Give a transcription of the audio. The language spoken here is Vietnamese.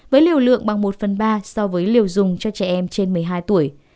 với liều lượng bằng một phần ba so với liều dùng cho trẻ em trên một mươi hai tuổi